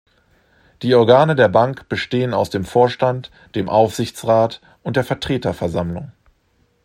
Die Organe der Bank bestehen aus dem Vorstand, dem Aufsichtsrat und der Vertreterversammlung.